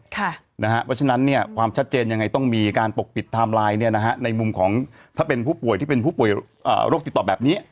เพราะฉะนั้นความชัดเจนยังไงต้องมีการปกปิดไทม์ไลน์ในมุมของถ้าเป็นผู้ป่วยที่เป็นผู้ป่วยโรคติดต่อแบบนี้